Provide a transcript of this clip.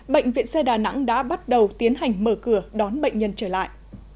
bệnh viện xe đà nẵng đã bắt đầu tiến hành mở cửa đón bệnh nhân trở lại